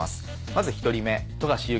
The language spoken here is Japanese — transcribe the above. まず１人目。